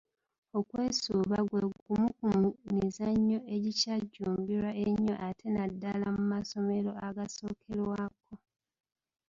Okwesuuba gwe gumu ku mizannyo egikyajjumbirwa ennyo ate naddala mu masomero agasookerwako.